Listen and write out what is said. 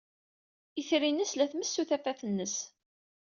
Itri-nnes la tmessu tafat-nnes.